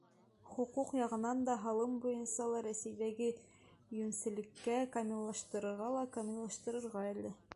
Хоҡуҡ яғынан да, һалым буйынса ла Рәсәйҙәге йүнселлеккә камиллаштырырға ла камиллашырға әле.